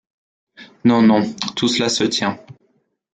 Non, non, tout cela se tient.